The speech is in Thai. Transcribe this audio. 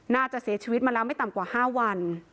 น่าจะเสียชีวิตมาแล้วไม่ต่ำกว่า๕วัน